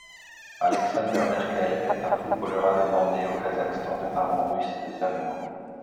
Alexander Merkel est un footballeur allemand né au Kazakhstan de parents Russes allemands.